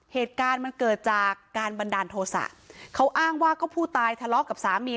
เหตุการณ์มันเกิดจากการบันดาลโทษะเขาอ้างว่าก็ผู้ตายทะเลาะกับสามี